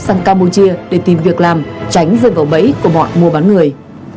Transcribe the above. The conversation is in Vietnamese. sang campuchia để tìm việc làm tránh rơi vào bẫy của bọn mua bán người